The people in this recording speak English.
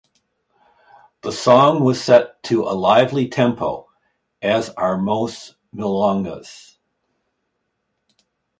The song was set to a lively tempo, as are most milongas.